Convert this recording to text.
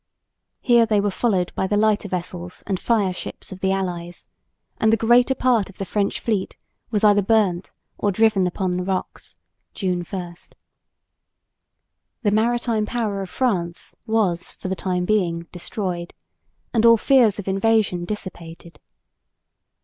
Here they were followed by the lighter vessels and fire ships of the allies; and the greater part of the French fleet was either burnt or driven upon the rocks (June 1). The maritime power of France was for the time being destroyed, and all fears of invasion dissipated.